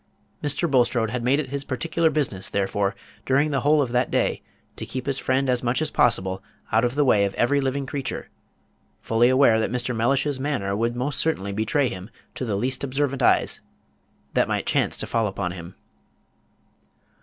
Mr. Bulstrode had made it his particular business, therefore, during the whole of that day, to keep his friend as much as possible out of the way of every living creature, fully aware that Mr. Mellish's manner would most certainly betray him to the least observant eyes that might chance to fall upon him.